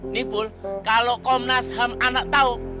nih bul kalo kau nasaham anak tau